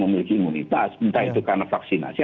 memiliki imunitas entah itu karena vaksinasi